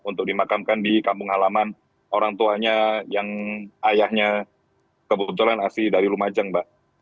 untuk dimakamkan di kampung halaman orang tuanya yang ayahnya kebetulan asli dari lumajang mbak